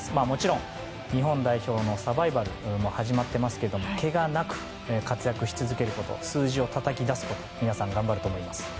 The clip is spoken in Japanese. もちろん、日本代表のサバイバルも始まってますけどけがなく、活躍し続けること数字をたたき出すこと皆さん頑張ると思います。